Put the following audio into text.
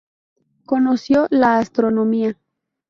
Conoció la Astronomía.